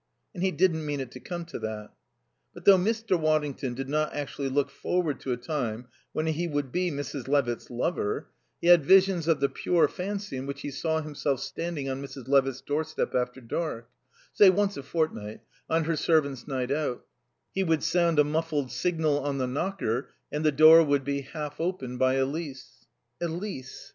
And he didn't mean it to come to that. But though Mr. Waddington did not actually look forward to a time when he would be Mrs. Levitt's lover, he had visions of the pure fancy in which he saw himself standing on Mrs. Levitt's doorstep after dark; say, once a fortnight, on her servant's night out; he would sound a muffled signal on the knocker and the door would he half opened by Elise. Elise!